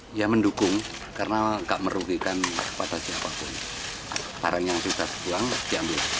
saya nggak menyerupai